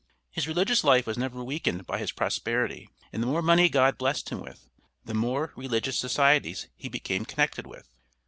His religious life was never weakened by his prosperity, and the more money God blessed him with, the more religious societies he became connected with.